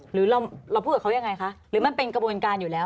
หรือเราพูดกับเขายังไงคะหรือมันเป็นกระบวนการอยู่แล้ว